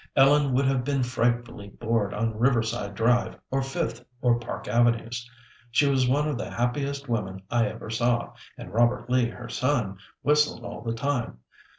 Ellen would have been frightfully bored on Riverside Drive, or Fifth or Park Avenues. She was one of the happiest women I ever saw, and Robert Lee, her son, whistled all the time.